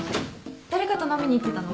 誰かと飲みに行ってたの？